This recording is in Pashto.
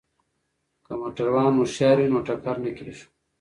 که موټروان هوښیار وي نو ټکر نه کیږي.